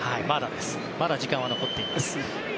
まだ時間は残っています。